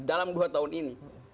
dalam dua tahun ini